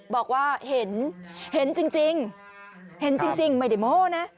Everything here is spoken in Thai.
บอกว่าเห็นจริงไม่ได้โมโฮนะ